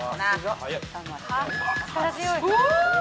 ・力強い。